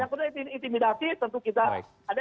intimidasi tentu kita ada